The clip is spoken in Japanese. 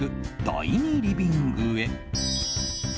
第２リビングへ。